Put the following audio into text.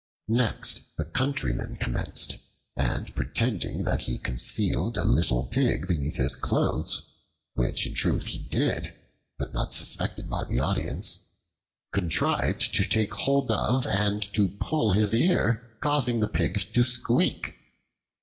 Next the Countryman commenced, and pretending that he concealed a little pig beneath his clothes (which in truth he did, but not suspected by the audience ) contrived to take hold of and to pull his ear causing the pig to squeak.